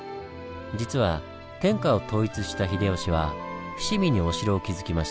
実は天下を統一した秀吉は伏見にお城を築きました。